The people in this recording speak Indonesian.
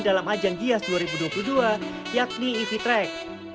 dalam ajang gias dua ribu dua puluh dua yakni ev track